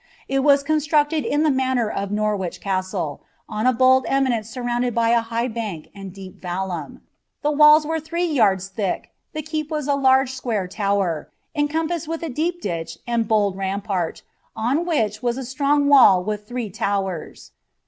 It was constructed in the manner of Norwidi Ctrtlr, on a bold eminence surrounded by a high bank and deep valluBi. 1^ walls were three yard« thick ; the keep was a large square Iowvt, oh coin[)aseed with a deep ditch and bold rampart, on which was a Mimf wall with tliree lowers.